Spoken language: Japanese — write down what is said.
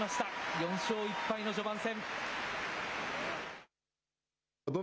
４勝１敗の序盤戦。